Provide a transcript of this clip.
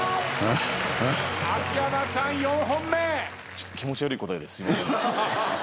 ちょっと気持ち悪い答えですいません。